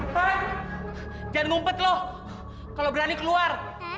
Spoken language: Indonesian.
hah jangan ngumpet lo kalo berani keluar